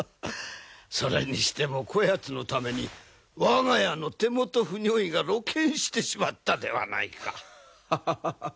それにしてもこやつのために我が家の手元不如意が露見してしまったではないか。ハハハハ。